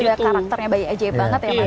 sudah karakternya bayi ajaib banget ya mas ya